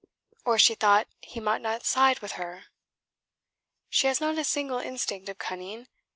"Or she thought he might not side with her?" "She has not a single instinct of cunning.